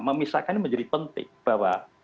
memisahkan menjadi penting bahwa